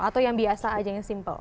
atau yang biasa aja yang simple